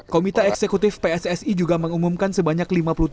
komite eksekutif pssi juga mengumumkan sebagian dari enam belas calon yang tersebut